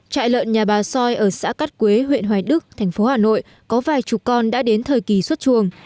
trại lợn nhà bà soi ở xã cắt quế huyện hoài đức thành phố hà nội có vài chục con đã đến thời kỳ xuất chuồng